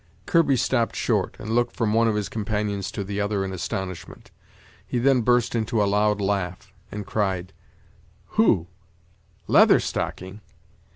Kirby stopped short, and looked from one of his companions to the other in astonishment. He then burst into a loud laugh, and cried: "Who? Leather Stocking!